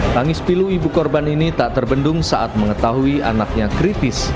tangis pilu ibu korban ini tak terbendung saat mengetahui anaknya kritis